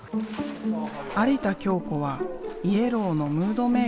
有田京子はＹＥＬＬＯＷのムードメーカー。